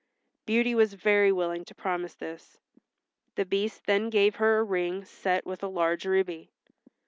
Beauty was very willing to promise this. The Beast then gave her a ring set with a large ruby.